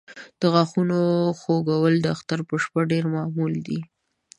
د غاښونو خوږول د اختر په شپه ډېر معمول دی.